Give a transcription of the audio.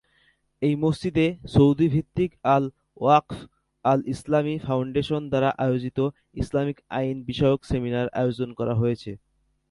এই মসজিদে সৌদি ভিত্তিক আল-ওয়াকফ আল-ইসলামি ফাউন্ডেশন দ্বারা আয়োজিত ইসলামিক আইন বিষয়ক সেমিনার আয়োজন করা হয়েছে।